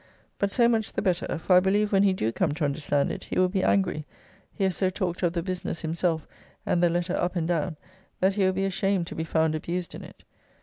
But so much the better, for I believe when he do come to understand it he will be angry, he has so talked of the business himself and the letter up and down that he will be ashamed to be found abused in it.